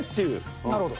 なるほど。